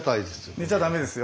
寝ちゃダメですよ。